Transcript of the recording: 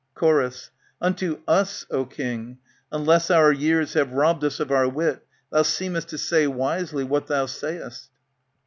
^ Chor, Unto us, O king, Unless our years have robbed us of our wit. Thou seemest to say wisely what thou say'st.